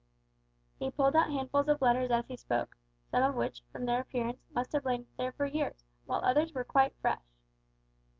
He pulled out handfuls of letters as he spoke, some of which, from their appearance, must have lain there for years, while others were quite fresh!